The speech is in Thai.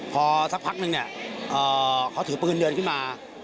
พอสักพักนึงเนี่ยเขาถือปืนเดินขึ้นมา